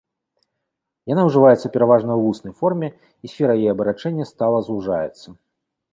Яна ўжываецца пераважна ў вуснай форме, і сфера яе абарачэння стала звужаецца.